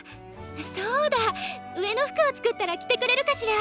そうだ上の服を作ったら着てくれるかしら？